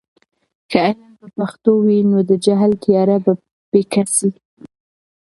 که علم په پښتو وي، نو د جهل تیاره به پیکه سي.